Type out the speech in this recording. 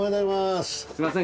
すいません。